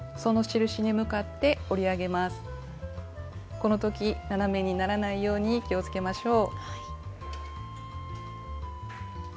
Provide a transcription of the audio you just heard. この時斜めにならないように気をつけましょう。